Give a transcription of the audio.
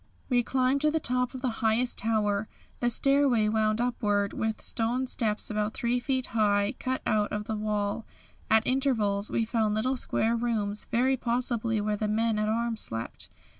"We climbed to the top of the highest tower. The stairway wound upward with stone steps about three feet high cut out of the wall. At intervals we found little square rooms, very possibly where the men at arms slept.